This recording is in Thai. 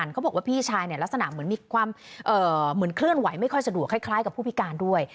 เขาบอกว่าพี่ชายเนี่ยลักษณะเหมือนมีความเหมือนเคลื่อนไหวไม่ค่อยสะดวกคล้ายกับผู้พิการด้วย